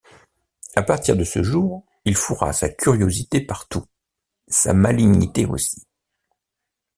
À partir de ce jour, il fourra sa curiosité partout, sa malignité aussi.